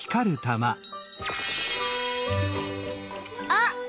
あっ！